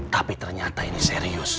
tapi ternyata ini serius